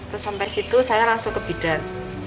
terus sampai situ saya langsung ke bidan